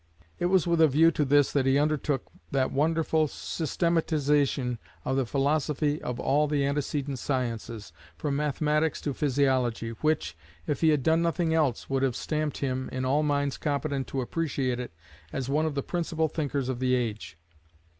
It was with a view to this that he undertook that wonderful systematization of the philosophy of all the antecedent sciences, from mathematics to physiology, which, if he had done nothing else, would have stamped him, in all minds competent to appreciate it, as one of the principal thinkers of the age.